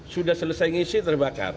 sudah selesai ngisi terbakar